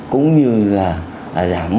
cũng như là giảm